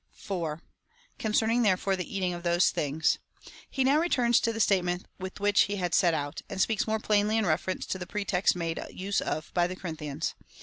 4. Concerning, thet^efore, the eating of those things. He now returns to the statement with which he had set out, and speaks more plainly in reference to the pretext made use of by the Corinthians.